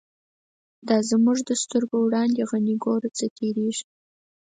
دا زمونږ د سترگو وړاندی، «غنی » گوره څه تیریږی